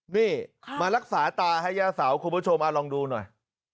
นี่มารักษาตาให้ย่าเสาคุณผู้ชมลองดูหน่อย